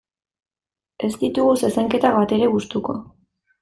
Ez ditugu zezenketak batere gustuko.